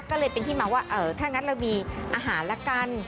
ก็เลยเป็นที่มาว่าถ้างั้นเรามีอาหารละกัน